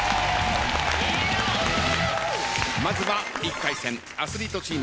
まずは１回戦アスリートチームから。